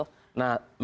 soal soal itunya dulu